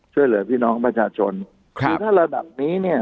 ช่วยเหลือพี่น้องประชาชนครับคือถ้าระดับนี้เนี่ย